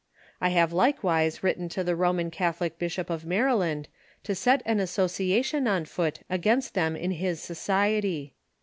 I have likewise written to the Roman Catholic bishoi) of Maryland to set an association on foot against them in his society.